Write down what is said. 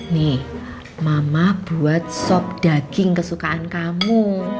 nih mama buat sop daging kesukaan kamu